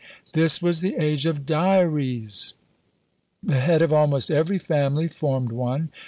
This was the age of DIARIES! The head of almost every family formed one.